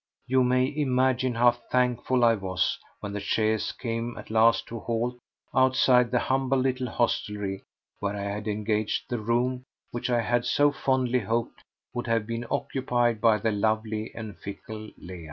You may imagine how thankful I was when the chaise came at last to a halt outside the humble little hostelry where I had engaged the room which I had so fondly hoped would have been occupied by the lovely and fickle Leah.